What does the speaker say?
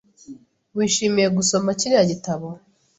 Wishimiye gusoma kiriya gitabo?